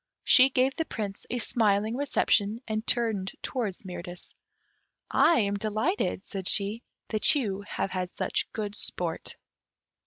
She gave the Prince a smiling reception, and turning towards Mirtis, "I am delighted," said she, "that you have had such good sport."